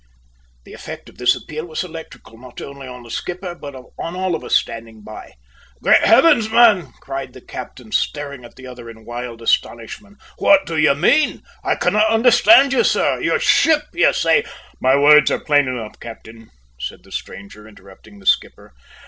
The effect of this appeal was electrical, not only on the skipper, but on all of us standing by. "Great heavens, man!" cried the captain, staring at the other in wild astonishment. "What do you mean? I cannot understand you, sir. Your ship, you say " "My words are plain enough, captain," said the stranger, interrupting the skipper.